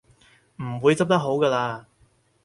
唔會執得好嘅喇